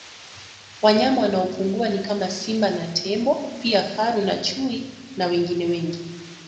Wanyama wanaopungua ni kama Simba na Tembo pia Faru na Chui na wengine wengi